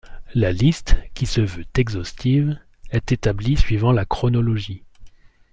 La liste - qui se veut exhaustive - est établie suivant la chronologie.